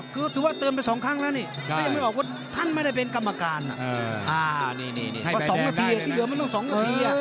คือว่าเตือนไปสองครั้งแล้วนี่แต่ยังไม่รู้ว่าท่านไม่ได้เป็นกรรมการอ่ะนี่ที่เหลือมันต้อง๒นาทีอ่ะ